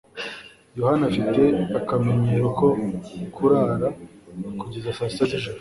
yohana afite akamenyero ko kurara kugeza saa sita z'ijoro